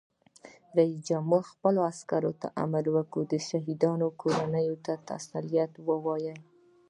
رئیس جمهور خپلو عسکرو ته امر وکړ؛ د شهیدانو کورنیو ته تسلیت ووایئ!